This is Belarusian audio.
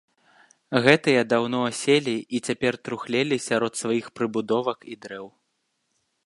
Гэтыя даўно аселі і цяпер трухлелі сярод сваіх прыбудовак і дрэў.